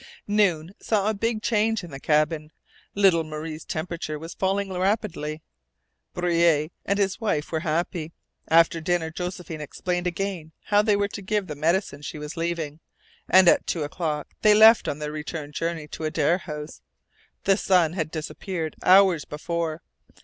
Noon saw a big change in the cabin. Little Marie's temperature was falling rapidly. Breuil and his wife were happy. After dinner Josephine explained again how they were to give the medicine she was leaving, and at two o'clock they left on their return journey to Adare House. The sun had disappeared hours before.